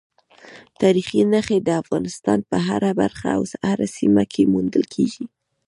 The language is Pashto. تاریخي نښې د افغانستان په هره برخه او هره سیمه کې موندل کېږي.